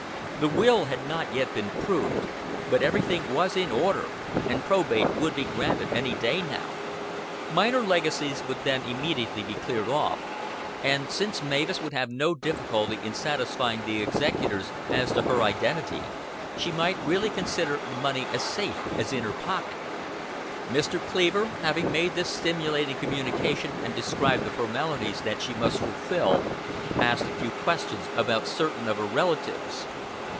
The will had not yet been proved, but everything was in order and probate would be granted any day now; minor legacies would then immediately be cleared off; and, since Mavis would have no difficulty in satisfying the executors as to her identity, she might really consider the money as safe in her pocket. Mr. Cleaver, having made this stimulating communication and described the formalities that she must fulfil, asked a few questions about certain of her relatives.